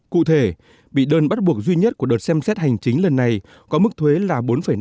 cụ thể bị đơn bắt buộc duy nhất của đợt xem xét hành chính lần này có mức thuế là bốn năm